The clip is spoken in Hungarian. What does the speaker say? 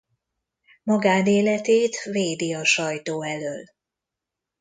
Magánéletét védi a sajtó elől.